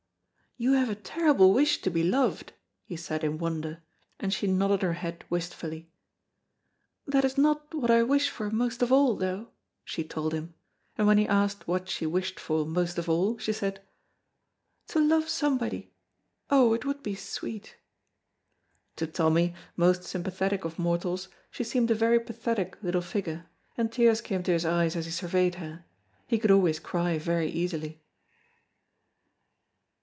"You have a terrible wish to be loved," he said in wonder, and she nodded her head wistfully. "That is not what I wish for most of all, though," she told him, and when he asked what she wished for most of all, she said, "To love somebody; oh, it would be sweet!" To Tommy, most sympathetic of mortals, she seemed a very pathetic little figure, and tears came to his eyes as he surveyed her; he could always cry very easily.